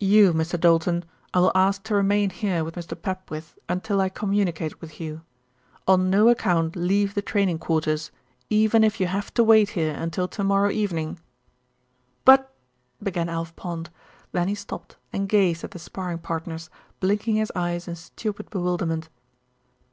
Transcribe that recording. "You, Mr. Doulton, I will ask to remain here with Mr. Papwith until I communicate with you. On no account leave the training quarters, even if you have to wait here until to morrow evening." "But " began Alf Pond; then he stopped and gazed at the sparring partners, blinking his eyes in stupid bewilderment.